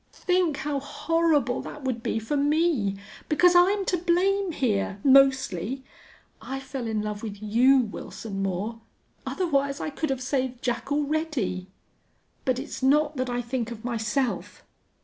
Think how horrible that would be for me! Because I'm to blame here, mostly. I fell in love with you, Wilson Moore, otherwise I could have saved Jack already. "But it's not that I think of myself.